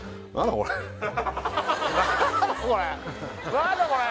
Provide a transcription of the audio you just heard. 何だこれ？